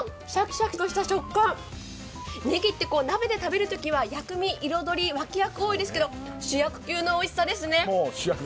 ねぎって鍋で食べるときは、薬味、彩り、脇役多いですけど、主役級のおいしさですね。